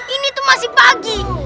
ini tuh masih pagi